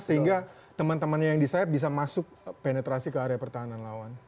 sehingga teman temannya yang di sayap bisa masuk penetrasi ke area pertahanan lawan